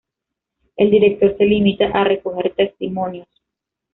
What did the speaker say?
El director se limita a recoger testimonios.